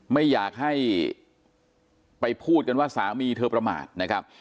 ไม่อยากให้ไปพูดกันว่าสามีเธอประมาทนะครับ